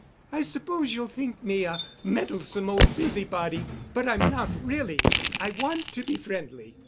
I suppose you'll think me a meddlesome old busybody. But I'm not, really. I want to be friendly.